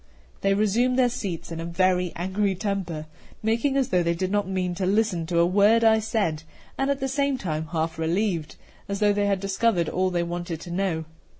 They resumed their seats in a very angry temper, making as though they did not mean to listen to a word I said, and at the same time half relieved, as though they had discovered all they wanted to know.